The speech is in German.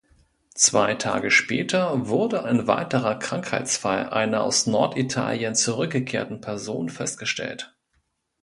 Zwei Tage später wurde ein weiterer Krankheitsfall einer aus Norditalien zurückgekehrten Person festgestellt.